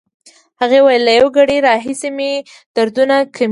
هغې وویل: له یو ګړی راهیسې مې دردونه کېږي.